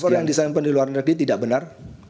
server yang disampan di luar nergi tidak benar